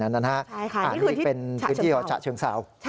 อันนี้เป็นพื้นที่ชะเชียงเศร้า